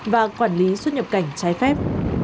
và quản lý xuất nhập cảnh trái phép